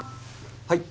はい。